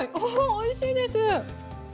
おいしいです！